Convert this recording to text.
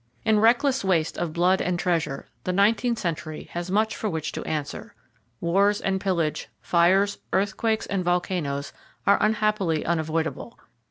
In reckless waste of blood and treasure, the nineteenth century has much for which to answer. Wars and pillage, fires, earthquakes and volcanoes are unhappily unavoidable.